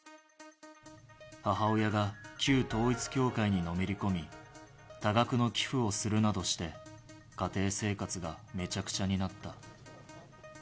母親が旧統一教会にのめり込み、多額の寄付をするなどして、家庭生活がめちゃくちゃになった。